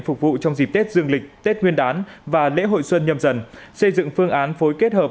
phục vụ trong dịp tết dương lịch tết nguyên đán và lễ hội xuân nhâm dần xây dựng phương án phối kết hợp